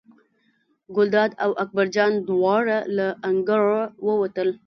ګلداد او اکبر جان دواړه له انګړه ووتل.